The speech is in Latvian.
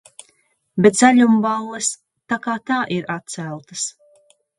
Bet zaļumballes tā kā tā ir atceltas.